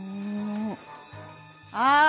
ああ！